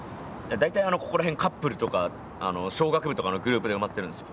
大体ここら辺カップルとか商学部とかのグループで埋まってるんですよ。